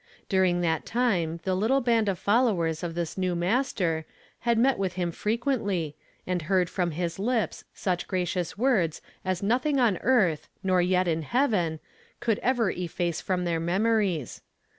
During that time the little band of followers of this new Master had met with him frequently, and heard from his lips such gra cious words as nothing on earth, nor yet in heaven, could ever efface from their memories.